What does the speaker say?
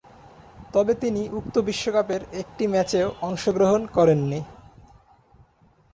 তবে তিনি উক্ত বিশ্বকাপের একটি ম্যাচেও অংশগ্রহণ করেননি।